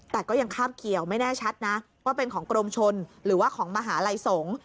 แต่ก็ยังคาบเกี่ยวไม่แน่ชัดนะว่าเป็นของกรมชนหรือว่าของมหาลัยสงฆ์